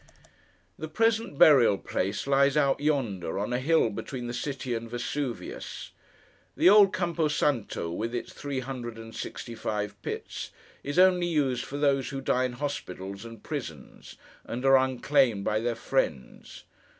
The present burial place lies out yonder, on a hill between the city and Vesuvius. The old Campo Santo with its three hundred and sixty five pits, is only used for those who die in hospitals, and prisons, and are unclaimed by their friends.